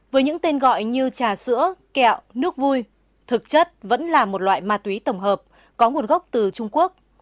với những tên gọi như trà sữa kẹo nước vui thực chất vẫn là một loại ma túy tổng hợp có nguồn gốc từ trung quốc